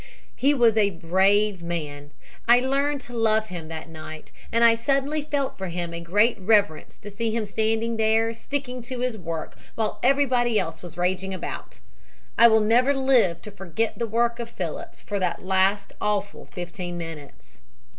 "He was a brave man. I learned to love him that night and I suddenly felt for him a great reverence to see him standing there sticking to his work while everybody else was raging about. I will never live to forget the work of Phillips for the last awful fifteen minutes.